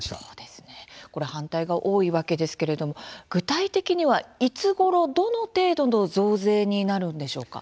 反対が多いわけですけれども具体的にはいつごろ、どの程度の増税になるんでしょうか。